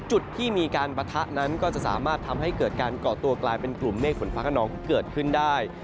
จุดที่มีการปะทะนั้นก็จะสามารถทำให้เกิดการก่อตัวกลายเป็นกลุ่มเมฆฝนฟ้าขนองเกิดขึ้นได้